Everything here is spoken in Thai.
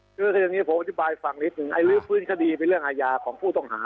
คืออย่างนี้ผมอธิบายฟังนิดนึงไอ้ลื้อฟื้นคดีเป็นเรื่องอาญาของผู้ต้องหา